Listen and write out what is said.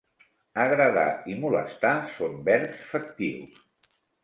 "Agradar" i "molestar" són verbs factius.